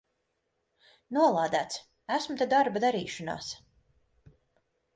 Nolādēts! Esmu te darba darīšanās!